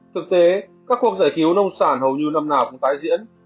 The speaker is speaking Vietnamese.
thực tế các cuộc giải cứu nông sản hầu như năm nào cũng tái diễn